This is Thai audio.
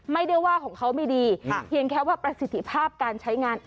ไม่ได้ว่าของเขาไม่ดีเพียงแค่ว่าประสิทธิภาพการใช้งาน